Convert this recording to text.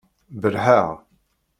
Berrḥeɣ.